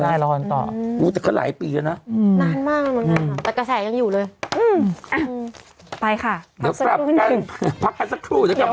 พักให้สักสักชั่วจะกลับไปใส่กายกระต่อ